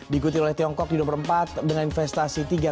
dikutin oleh tiongkok di nomor empat dengan investasi tiga tujuh miliar dolar